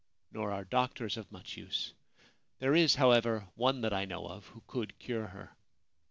Nor are doctors of much use. There is, however, one that I know of who could cure her.